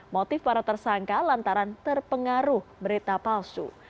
motif para tersangka lantaran terpengaruh berita palsu